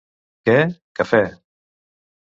Què? / —Cafè.